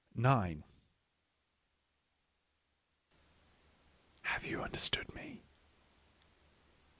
t Have you understood me?